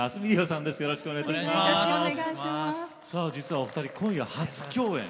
さあ実はお二人今夜初共演。